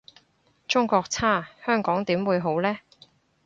中國差香港點會好呢？